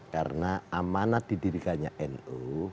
karena amanat didirikannya nu